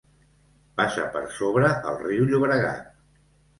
Passa per sobre el riu Llobregat.